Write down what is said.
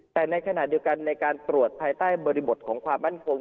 แต่ในขณะเดียวกันในการตรวจภายใต้บริบทของความมั่นคง